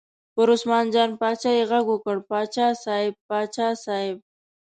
پر عثمان جان باچا یې غږ وکړ: باچا صاحب، باچا صاحب.